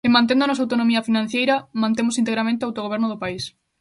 E mantendo a nosa autonomía financeira mantemos integramente o autogoberno do país.